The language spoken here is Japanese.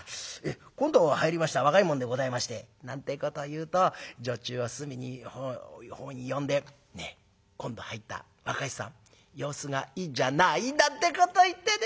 『今度入りました若い者でございまして』なんてこと言うと女中を隅のほうに呼んで『ねえ今度入った若い衆さん様子がいいじゃない』なんてこと言ってね。